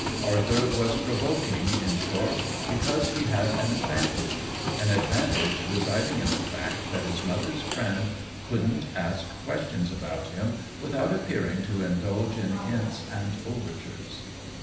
Arthur was provoking, in short, because he had an advantage — an advan tage residing in the fact that his mother's friend couldn't ask questions about him without appearing to indulge in hints and overtures.